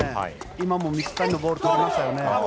今も水谷のボールとりましたよね。